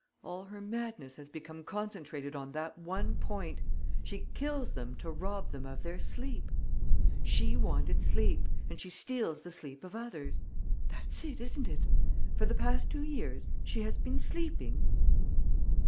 All her madness has become concentrated on that one point: she kills them to rob them of their sleep! She wanted sleep; and she steals the sleep of others! That's it, isn't it? For the past two years, she has been sleeping?"